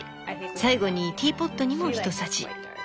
最後にティーポットにもひとさじ。